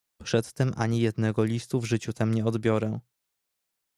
"Przedtem ani jednego listu w życiu tem nie odbiorę."